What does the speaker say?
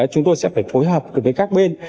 chúng tôi sẽ phải phối hợp với các bên